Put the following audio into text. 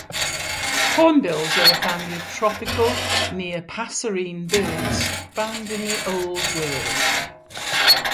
Hornbills are a family of tropical near-passerine birds found in the Old World.